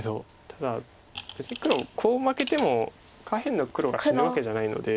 ただ別に黒コウ負けても下辺の黒が死ぬわけじゃないので。